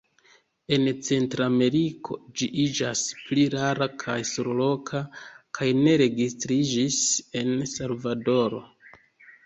En Centrameriko ĝi iĝas pli rara kaj surloka, kaj ne registriĝis en Salvadoro.